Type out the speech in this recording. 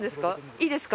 いいですか？